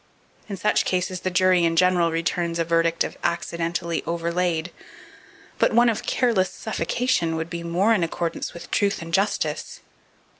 In such cases the jury in general returns a verdict of "Accidentally overlaid" but one of "Careless suffocation" would be more in accordance with truth and justice.